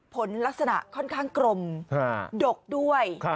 ลักษณะค่อนข้างกลมดกด้วย